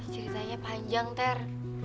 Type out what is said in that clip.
ceritanya panjang ter